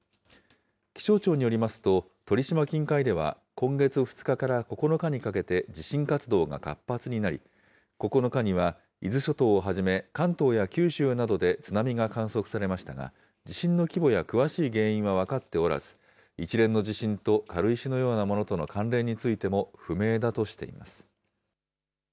気象庁によりますと、鳥島近海では今月２日から９日にかけて地震活動が活発になり、９日には伊豆諸島をはじめ、関東や九州などで津波が観測されましたが、地震の規模や詳しい原因は分かっておらず、一連の地震と軽石のようなものとの関連についても不明だとしています。